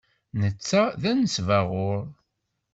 Netta d anesbaɣur.